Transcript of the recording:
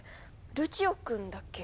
ルチオくんだっけ？